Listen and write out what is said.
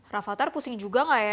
rafatar pusing juga gak ya